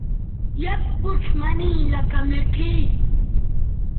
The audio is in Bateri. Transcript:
یک پوڇ مہ نن لکہ مٹھائ